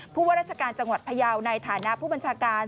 ผู้ว่าราชการจังหวัดพยาวในฐานะผู้บัญชาการ